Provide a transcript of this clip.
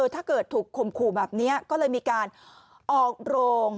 ถ้าเกิดถูกข่มขู่แบบนี้ก็เลยมีการออกโรง